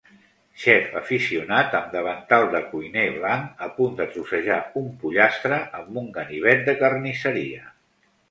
Xef aficionat amb davantal de cuiner blanc a punt de trossejar un pollastre amb un ganivet de carnisseria.